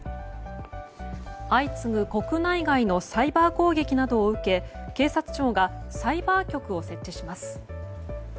相次ぐ国内外のサイバー攻撃などを受け警察庁がサイバー局を設置します。